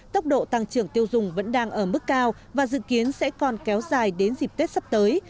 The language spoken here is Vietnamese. tốc độ tăng trưởng tiêu dùng vẫn đang ở mức cao và dự kiến sẽ còn kéo dài đến dịp tết sắp tới